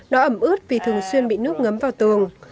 nó ẩm ướt vì thường xuyên bị nước ngấm vào tường